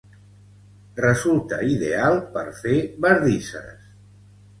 Resulta ideal per fer bardisses.